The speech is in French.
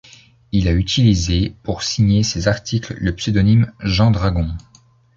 Il a utilisé pour signer ses articles le pseudonyme Jean Dragon.